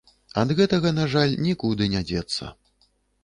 Ад гэтага, на жаль, нікуды не дзецца.